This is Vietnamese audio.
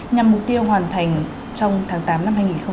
nhằm mục tiêu hoàn thành trong tháng tám năm hai nghìn hai mươi